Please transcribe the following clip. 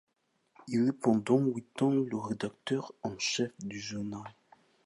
Il est pendant huit ans le rédacteur en chef du journal.